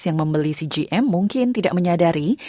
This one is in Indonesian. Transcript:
yang membeli cgm mungkin tidak menyadari